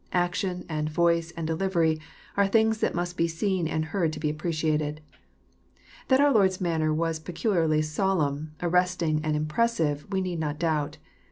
Action, and voice, and de livery are things that must be seen and heard to be appre* ciated. That our Lord's manner was peculiarly solenm, arresting, and impressive, we need not doubt.